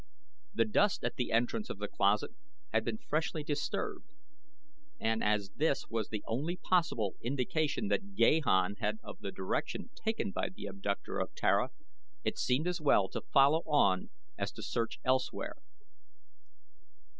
The dust at the entrance of the closet had been freshly disturbed, and as this was the only possible indication that Gahan had of the direction taken by the abductor of Tara it seemed as well to follow on as to search elsewhere.